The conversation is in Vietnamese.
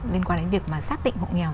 liên quan đến việc mà xác định hộ nghèo